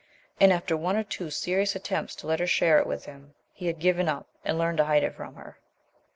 And after one or two serious attempts to let her share it with him, he had given up and learned to hide it from her.